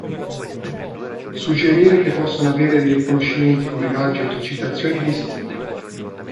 Suggerire che possono avere dei riconoscimenti come gadget o citazioni li stimola.